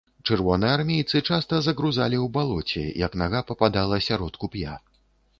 Чырвонаармейцы часта загрузалі ў балоце, як нага пападала сярод куп'я.